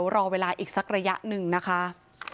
รอเวลาอีกสักระยะหนึ่งนะคะ